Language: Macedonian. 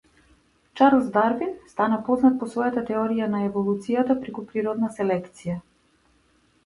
Чарлс Дарвин стана познат по својата теорија на еволуцијата преку природна селекција.